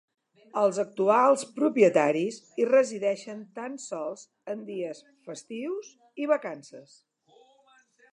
Els actuals propietaris hi resideixen tan sols en dies festius i vacances.